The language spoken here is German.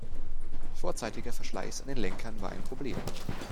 Vorzeitiger Verschleiß an den Lenkern war ein Problem.